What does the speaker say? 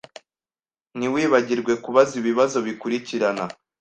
Ntiwibagirwe kubaza ibibazo bikurikirana.